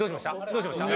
どうしました？